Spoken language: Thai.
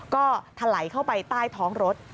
ก็ถลายเข้าไปใต้ท้องรถ